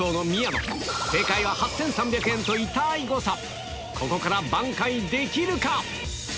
痛い誤差ここから挽回できるか⁉